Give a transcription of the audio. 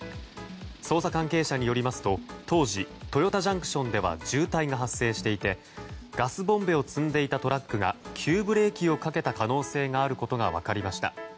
捜査関係者によりますと当時、豊田ＪＣＴでは渋滞が発生していてガスボンベを積んでいたトラックが急ブレーキをかけた可能性があることが分かりました。